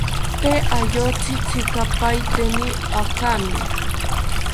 Tee ayotzi tzikapaeteni akami